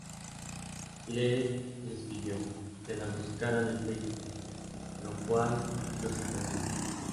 Lee les pidió que las buscaran en Facebook, lo cual los impresionó.